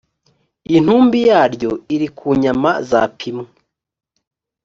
intumbi yaryo iri ku nyama zapimwe